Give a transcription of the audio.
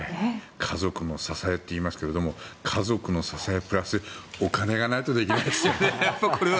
家族の支えといいますが家族の支えプラスお金がないとできないですよね。